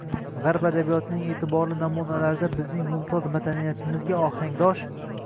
G‘arb adabiyotining e’tiborli namunalarida bizning mumtoz madaniyatimizga ohangdosh